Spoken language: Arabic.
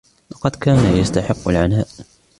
لقد كان يستحق العناء.